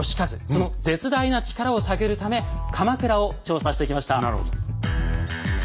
その絶大な力を探るため鎌倉を調査してきました。